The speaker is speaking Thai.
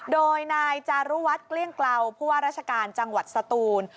โดยนายจารุวัฒน์เกลี้ยงเกลาผู้ว่าราชการจังหวัดสตูน